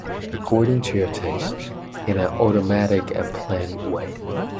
According to your tastes, in an automatic and planned way.